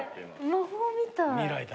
魔法みたい。